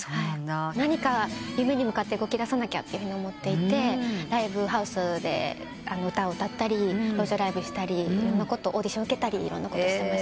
何か夢に向かって動きださなきゃと思っていてライブハウスで歌を歌ったり路上ライブしたりオーディション受けたりいろんなことしてました。